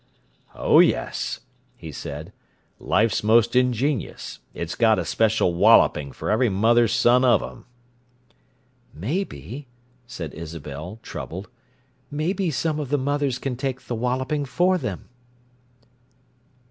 "Oh, yes," he said. "Life's most ingenious: it's got a special walloping for every mother's son of 'em!" "Maybe," said Isabel, troubled—"maybe some of the mothers can take the walloping for them."